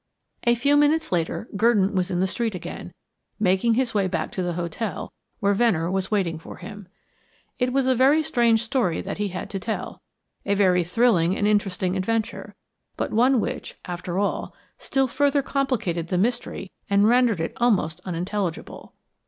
A few minutes later Gurdon was in the street again, making his way back to the hotel where Venner was waiting for him. It was a strange story that he had to tell; a very thrilling and interesting adventure, but one which, after all, still further complicated the mystery and rendered it almost unintelligible.